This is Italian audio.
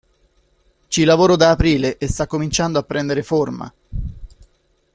Ci lavoro da aprile e sta cominciando a prendere forma.